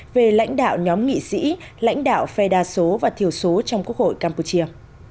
về lãnh đạo nhóm nghị sĩ lãnh đạo phe đa số và thiểu số trong quốc hội campuchia